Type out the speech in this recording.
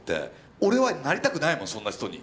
俺はなりたくないもんそんな人に。